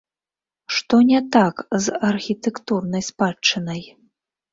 Што не так з архітэктурнай спадчынай?